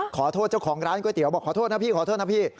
ขอโทษเจ้าของร้านก๋วยเตี๋ยวบอกขอโทษนะพี่ขอโทษนะพี่